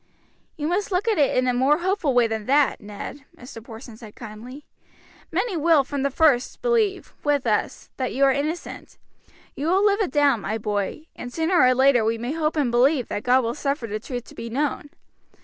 "You must look at it in a more hopeful way than that, Ned," Mr. Porson said kindly; "many will from the first believe, with us, that you are innocent. You will live it down, my boy, and sooner or later we may hope and believe that God will suffer the truth to be known.